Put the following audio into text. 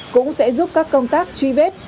cũng sẽ giúp các công tác truy vết